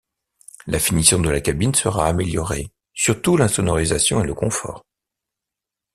La finition de la cabine sera améliorée, surtout l'insonorisation et le confort.